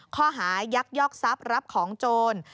ข้อหายักยอกทรัพย์รับของโจร